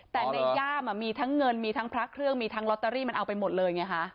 แต่ในย่ามมีทั้งเงินมีทั้งพระเครื่องมีทั้งลอตเตอรี่มันเอาไปหมดเลยไงคะ